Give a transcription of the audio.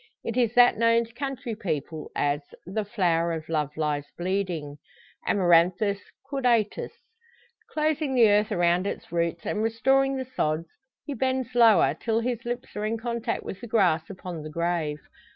It is that known to country people as "The Flower of Love lies bleeding" (Amaranthus caudatus). Closing the earth around its roots, and restoring the sods, he bends lower, till his lips are in contact with the grass upon the grave.